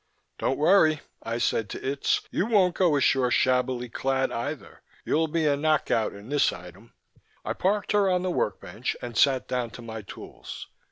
"Don't worry," I said to Itz. "You won't go ashore shabbily clad either. You'll be a knockout in this item." I parked her on the workbench and sat down to my tools.